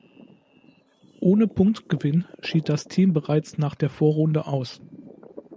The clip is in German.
Ohne Punktgewinn schied das Team bereits nach der Vorrunde aus.